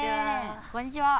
こんにちは。